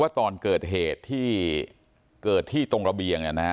ว่าตอนเกิดเหตุที่เกิดที่ตรงระเบียงเนี่ยนะ